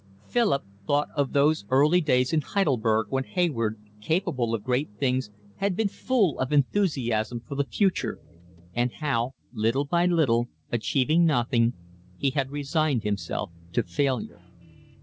Philip thought of those early days in Heidelberg when Hayward, capable of great things, had been full of enthusiasm for the future, and how, little by little, achieving nothing, he had resigned himself to failure.